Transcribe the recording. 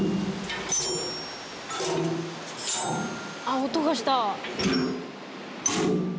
あっ音がした。